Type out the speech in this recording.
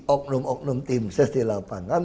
oknum oknum tim ses di lapangan